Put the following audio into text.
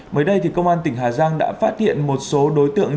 mới đây công an tỉnh hà giang đã phát hiện một số đối tượng